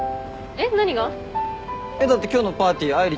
えっ？